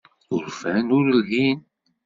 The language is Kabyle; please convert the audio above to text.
Urfan ur lhin.